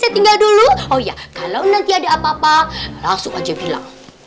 tinggal dulu oh ya kalau nanti ada apa apa langsung aja bilang